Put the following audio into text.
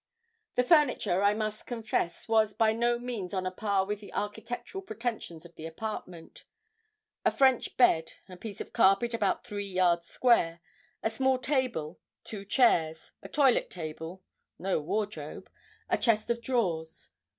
The furniture, I must confess, was by no means on a par with the architectural pretensions of the apartment. A French bed, a piece of carpet about three yards square, a small table, two chairs, a toilet table no wardrobe no chest of drawers.